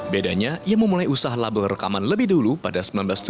bedanya ia memulai usaha label rekaman lebih dulu pada seribu sembilan ratus tujuh puluh